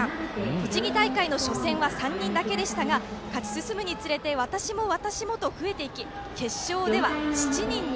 栃木大会の初戦は３人だけでしたが勝ち進むにつれて私も、私もと増えていき決勝では７人に。